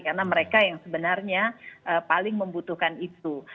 karena mereka yang sebenarnya paling membutuhkan itu